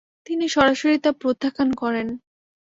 তিনি সরাসরি তা প্রত্যাখ্যান করেন।